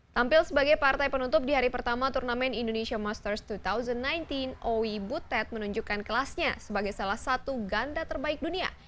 tampil sebagai partai penutup di hari pertama turnamen indonesia masters dua ribu sembilan belas owi butet menunjukkan kelasnya sebagai salah satu ganda terbaik dunia